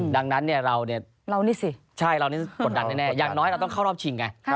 ดังนั้นเราเนี่ยกดดันแน่อย่างน้อยเราต้องเข้ารอบชิงไง